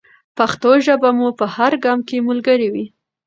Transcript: پښتو ژبه مو په هر ګام کې ملګرې وي.